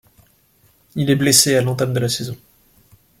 Il est blessé à l'entame de la saison.